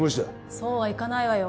そうはいかないわよ